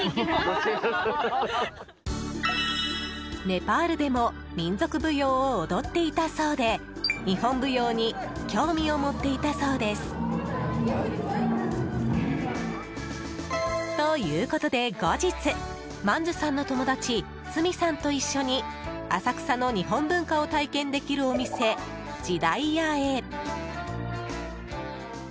ネパールでも民族舞踊を踊っていたそうで日本舞踊に興味を持っていたそうです。ということで後日マンズさんの友達スミさんと一緒に浅草の日本文化を体験できるお店時代屋へ。